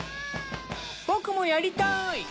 僕もやりたい！